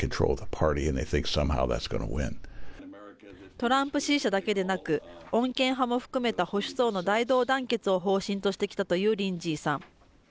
トランプ支持者だけでなく、穏健派も含めた保守層の大同団結を方針としてきたというリンジーさん。